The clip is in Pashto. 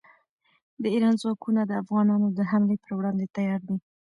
د ایران ځواکونه د افغانانو د حملې پر وړاندې تیار دي.